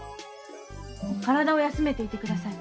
体を休めていて下さい。